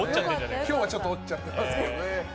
今日は折っちゃってますけどね。